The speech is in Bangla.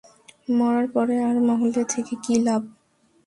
মরার পরে আর, মহলে থেকে কি লাভ?